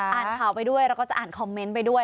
อ่านข่าวไปด้วยเราก็จะอ่านคอมเมนต์ไปด้วย